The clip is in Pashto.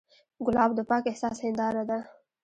ګلاب د پاک احساس هنداره ده.